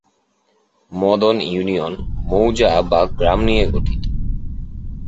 Madan union মৌজা/গ্রাম নিয়ে গঠিত।